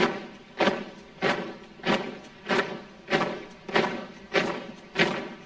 pengibaran sang merah putih siap